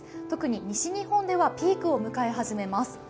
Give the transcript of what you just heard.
特に西日本ではピークを迎え始めます。